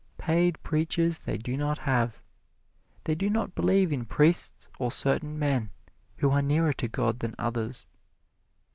Paid preachers they do not have; they do not believe in priests or certain men who are nearer to God than others.